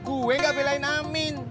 gue gak belain amin